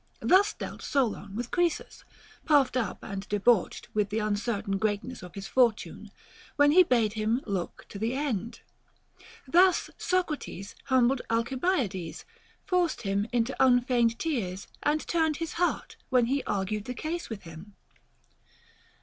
Thus dealt Solon with Croesus, puffed up and debauched with the uncertain greatness of his fortune, when he bade him look to the end. Thus Soc rates humbled Alcibiades, forced him into unfeigned tears, and turned his heart, when he argued the case with him.